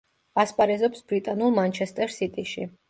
ასპარეზობს ბრიტანულ „მანჩესტერ სიტიში“.